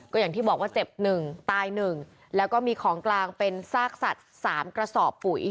ก็อย่างที่บอกว่าเจ็บหนึ่งตายหนึ่งแล้วก็มีของกลางเป็นซากสัตว์สามกระสอบปุ๋ย